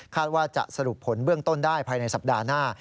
ว่าจะสรุปผลเบื้องต้นได้ภายในสัปดาห์หน้า